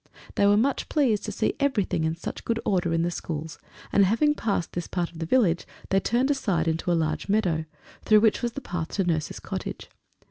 They were much pleased to see everything in such good order in the schools, and having passed this part of the village, they turned aside into a large meadow, through which was the path to Nurse's cottage.